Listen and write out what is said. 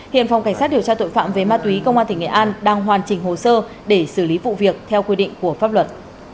hiện phòng cảnh sát điều tra tội phạm về ma túy công an tỉnh nghệ an đang hoàn chỉnh hồ sơ để xử lý vụ việc theo quy định của pháp luật